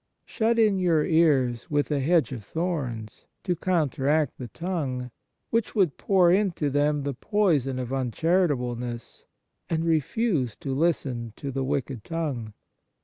" Shut in your ears with a hedge of thorns," to counteract the tongue, which would pour into them the poison of uncharitableness, " and refuse to listen to the wicked tongue."